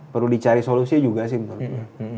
perlu dicari solusinya juga sih menurut gue